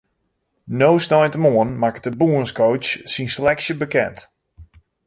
No sneintemoarn makket de bûnscoach syn seleksje bekend.